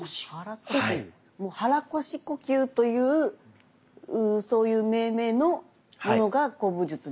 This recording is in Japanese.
肚腰呼吸というそういう命名のものが古武術ではあるということ？